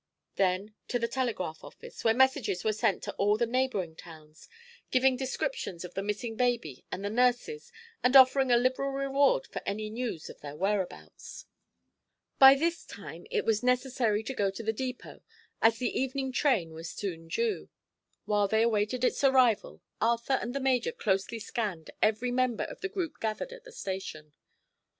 Then to the telegraph office, where messages were sent to all the neighboring towns, giving descriptions of the missing baby and the nurses and offering a liberal reward for any news of their whereabouts. By this time it was necessary to go to the depot, as the evening train was soon due. While they awaited its arrival Arthur and the major closely scanned every member of the group gathered at the station.